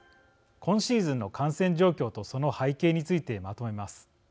今シーズンの感染状況とその背景についてまとめます。